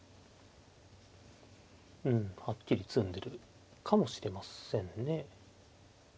うんはっきり詰んでるかもしれませんね。